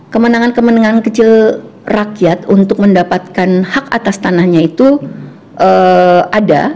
kemenangan kemenangan kecil rakyat untuk mendapatkan hak atas tanahnya itu ada